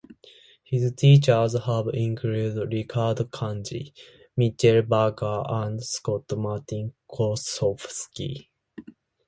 His teachers have included Ricardo Kanji, Michael Barker, and Scott Martin Kosofsky.